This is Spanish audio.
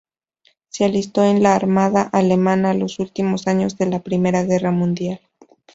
Se alistó en la armada alemana los últimos años de la Primera Guerra Mundial.